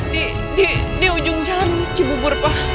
di di di ujung jalan cibubur pa